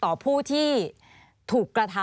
มีความรู้สึกว่ามีความรู้สึกว่า